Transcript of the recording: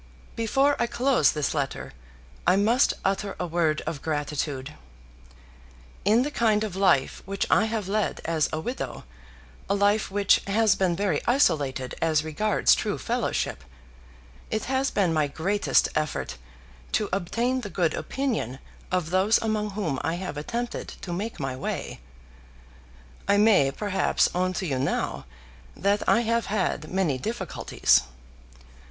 Before I close this letter, I must utter a word of gratitude. In the kind of life which I have led as a widow, a life which has been very isolated as regards true fellowship, it has been my greatest effort to obtain the good opinion of those among whom I have attempted to make my way. I may, perhaps, own to you now that I have had many difficulties.